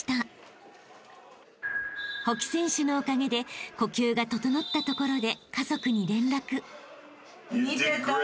［甫木選手のおかげで呼吸が整ったところで］